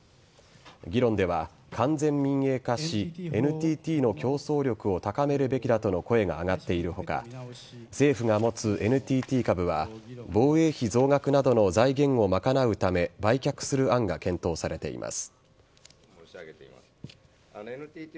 議論では、完全民営化しＮＴＴの競争力を高めるべきだとの声が上がっている他政府が持つＮＴＴ株は防衛費増額などの財源を賄うため売却する案が検討されています。